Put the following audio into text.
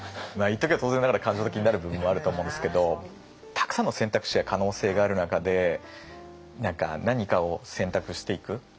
一時は当然ながら感情的になる部分もあるとは思うんですけどたくさんの選択肢や可能性がある中で何か何かを選択していく。